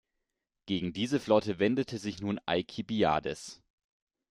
Gegen diese Flotte wendete sich nun Alkibiades.